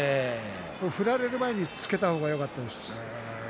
振られる前に頭をつけた方がよかったです。